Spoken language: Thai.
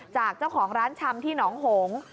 จากเจ้าของร้านชำที่หนองหง